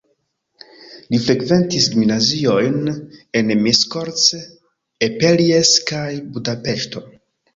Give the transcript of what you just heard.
Li frekventis gimnaziojn en Miskolc, Eperjes kaj Budapeŝto.